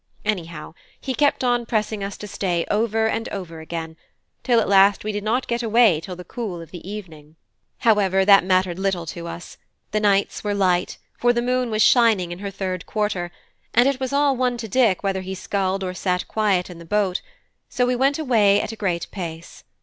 Anyhow, he kept on pressing us to stay over and over again, till at last we did not get away till the cool of the evening. However, that mattered little to us; the nights were light, for the moon was shining in her third quarter, and it was all one to Dick whether he sculled or sat quiet in the boat: so we went away a great pace.